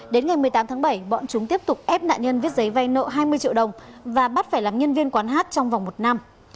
đến ngày một mươi tám tháng bảy bọn chúng tiếp tục ép nạn nhân viết giấy vay nợ hai mươi triệu đồng và bắt phải làm nhân viên quán hát trong vòng một năm